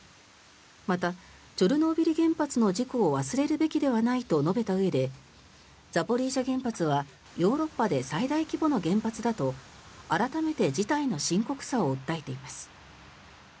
またチョルノービリ原発の事故を忘れるべきではないと述べたうえでザポリージャ原発はヨーロッパで最大規模の原発だと改めて事態の深刻さを訴えています。